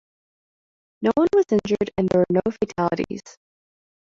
No one was injured and there were no fatalities.